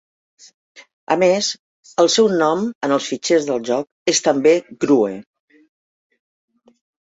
A més, el seu nom en els fitxers del joc és també "Grue".